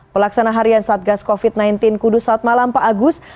pelaksana harian satgas covid sembilan belas kudus saat malam pak agus